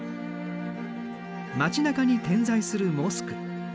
街なかに点在するモスク。